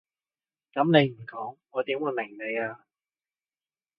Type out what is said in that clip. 噉你唔講我點會明你啊？